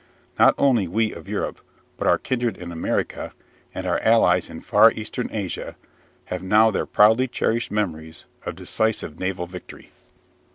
Not only "we of Europe," but our kindred in America and our allies in Far Eastern Asia have now their proudly cherished memories of decisive naval victory.